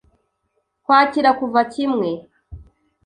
Kwakira kuva kimwe